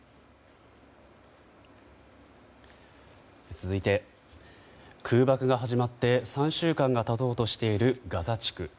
続いて空爆が始まって３週間が経とうとしているガザ地区。